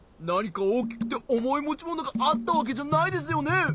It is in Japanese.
なにかおおきくておもいもちものがあったわけじゃないですよね？